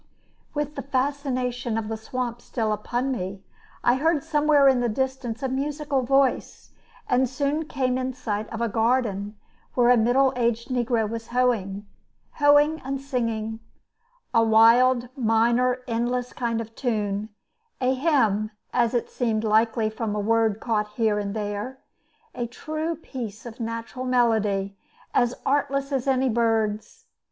With the fascination of the swamp still upon me, I heard somewhere in the distance a musical voice, and soon came in sight of a garden where a middle aged negro was hoeing, hoeing and singing: a wild, minor, endless kind of tune; a hymn, as seemed likely from a word caught here and there; a true piece of natural melody, as artless as any bird's.